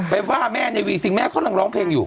ว่าแม่ในวีซิงแม่เขากำลังร้องเพลงอยู่